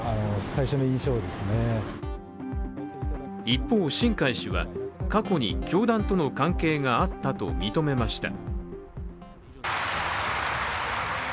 一方、新開氏は過去に教団との関係があったと認めました。